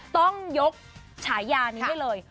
ต้องยกฉายานี้ได้เลย